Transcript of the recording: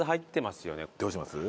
どうします？